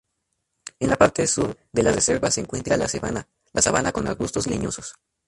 En la parte sur de la reserva se encuentra la sabana con arbustos leñosos.